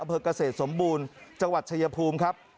อำเภอกเกษตรสมบูรณ์จังหวัดชายภูมิครับ